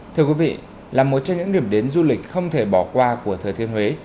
thưa quý vị là một trong những điểm đến du lịch không thể bỏ qua của thời thiên huế